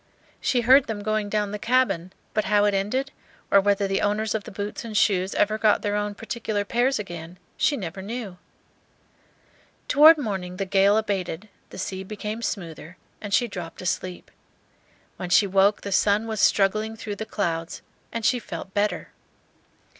She heard them going down the cabin; but how it ended, or whether the owners of the boots and shoes ever got their own particular pairs again, she never knew. Toward morning the gale abated, the sea became smoother, and she dropped asleep. When she woke the sun was struggling through the clouds, and she felt better.